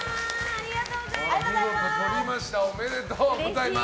ありがとうございます！